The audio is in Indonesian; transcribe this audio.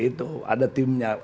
itu ada timnya